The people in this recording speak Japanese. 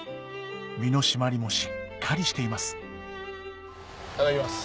身の締まりもしっかりしていますいただきます。